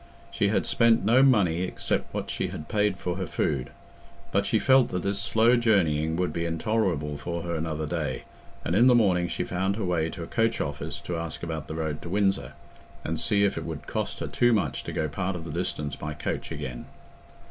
She had spent no money except what she had paid for her food, but she felt that this slow journeying would be intolerable for her another day, and in the morning she found her way to a coach office to ask about the road to Windsor, and see if it would cost her too much to go part of the distance by coach again.